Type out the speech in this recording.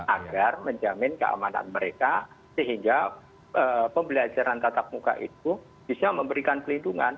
agar menjamin keamanan mereka sehingga pembelajaran tatap muka itu bisa memberikan pelindungan